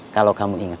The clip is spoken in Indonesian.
kalau kamu ingat